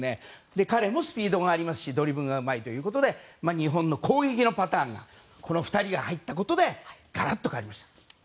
彼もスピードがありますしドリブルがうまいということで日本の攻撃のパターンがこの２人が入ったことでガラッと変わりました。